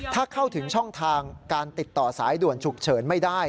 ถ้าเข้าถึงช่องทางการติดต่อสายด่วนฉุกเฉินไม่ได้